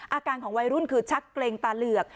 อาการของวัยรุ่นคือชักเกรงตาเหลือก